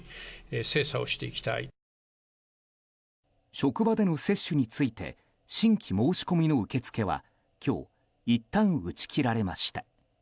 職場での接種について新規申し込みの受け付けは今日いったん打ち切られました。